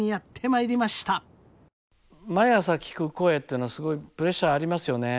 毎朝聞く声っていうのはすごいプレッシャーありますよね。